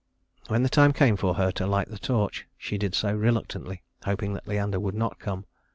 When the time came for her to light the torch, she did so reluctantly, hoping that Leander would not come.